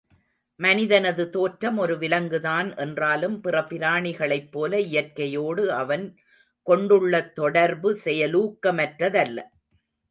மனிதனது தோற்றம் ஒரு விலங்குதான் என்றாலும், பிற பிராணிகளைப்போல இயற்கையோடு அவன் கொண்டுள்ள தொடர்பு செயலூக்கமற்றதல்ல.